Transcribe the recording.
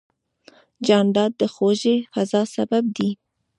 جانداد د خوږې فضا سبب دی.